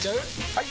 ・はい！